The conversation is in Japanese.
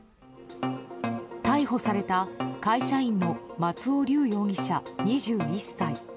逮捕された会社員の松尾龍容疑者、２１歳。